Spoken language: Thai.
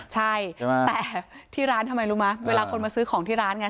ใช่แต่ที่ร้านทำไมรู้ไหมเวลาคนมาซื้อของที่ร้านไง